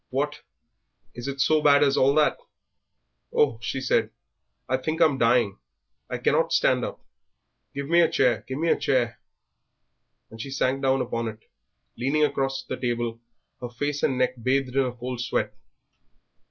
"What! is it so bad as all that?" "Oh," she said, "I think I'm dying, I cannot stand up; give me a chair, give me a chair!" and she sank down upon it, leaning across the table, her face and neck bathed in a cold sweat.